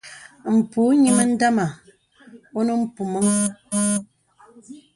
M̄pù nyìmə dāmà onə mpùməŋ.